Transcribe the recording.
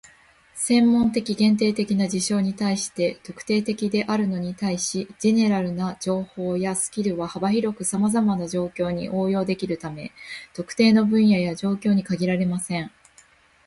専門的、限定的な事象に対して「特定的」であるのに対し、"general" な情報やスキルは幅広くさまざまな状況に応用できるため、特定の分野や状況に限られません。